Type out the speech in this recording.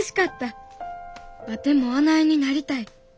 ワテもあないになりたい。